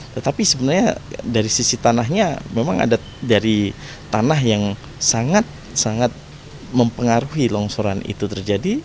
tetapi sebenarnya dari sisi tanahnya memang ada dari tanah yang sangat sangat mempengaruhi longsoran itu terjadi